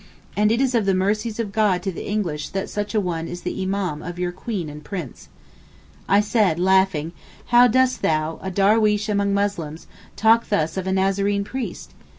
and it is of the mercies of God to the English that such a one is the Imám of your Queen and Prince.' I said laughing, 'How dost thou, a darweesh among Muslims, talk thus of a Nazarene priest?